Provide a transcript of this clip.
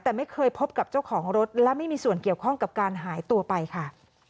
แต่ไม่เคยพบกับเจ้าของรถและไม่มีส่วนเกี่ยวข้องกับการหายตัวไปค่ะ